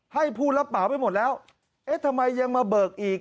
ให้ผู้รับเหมาไปหมดแล้วเอ๊ะทำไมยังมาเบิกอีก